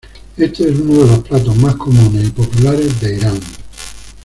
Este es uno de los platos más comunes y populares de Irán.